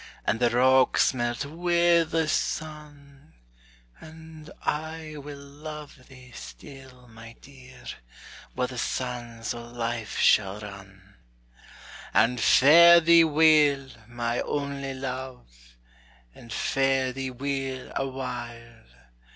And the rocks melt wi' the sun: And I will luve thee still, my dear, While the sands o' life shall run. And fare thee weel, my only Luve! And fare thee weel awhile!